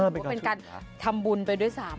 เป็นการทำบุญไปด้วยซ้ำ